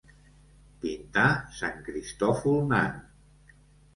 Pintar sant Cristòfol nano.